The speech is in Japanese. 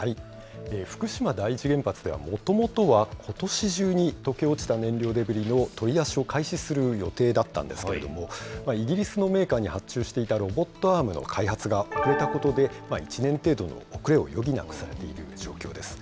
福島第一原発では、もともとはことし中に、溶け落ちた燃料デブリの取り出しを開始する予定だったんですけれども、イギリスのメーカーに発注していたロボットアームの開発が遅れたことで、１年程度の遅れを余儀なくされている状況です。